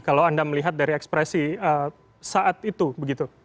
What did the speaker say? kalau anda melihat dari ekspresi saat itu begitu